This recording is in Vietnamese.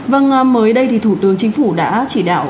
vâng mới đây thì thủ tướng chính phủ đã chỉ đạo